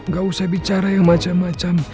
gak usah bicara yang macam macam